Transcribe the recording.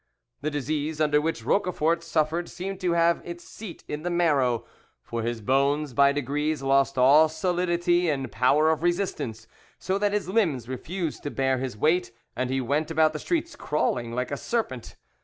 The disease under which Roquefort suffered seemed to have its seat in the marrow, for his bones by degrees lost all solidity and power of resistance, so that his limbs refused to bear his weight, and he went about the streets crawling like a serpent.